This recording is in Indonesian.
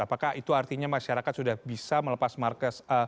apakah itu artinya masyarakat sudah bisa melepas markas